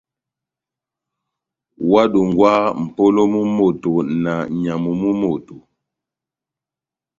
Óhádongwaha mʼpolo mú moto na nyamu mú moto.